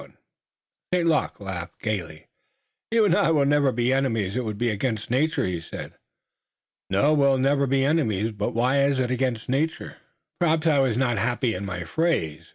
St. Luc laughed gayly. "You and I will never be enemies. It would be against nature," he said. "No, we'll never be enemies, but why is it against nature?" "Perhaps I was not happy in my phrase.